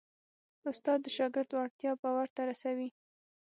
استاد د شاګرد وړتیا باور ته رسوي.